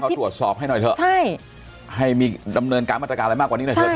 เขาตรวจสอบให้หน่อยเถอะใช่ให้มีดำเนินการมาตรการอะไรมากกว่านี้หน่อยเถอ